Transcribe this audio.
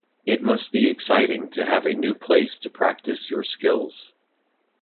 It must be exciting to have a new place to practice your skills.